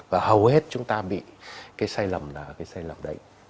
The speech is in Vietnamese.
và hầu hết chúng ta bị cái sai lầm là cái sai lầm đấy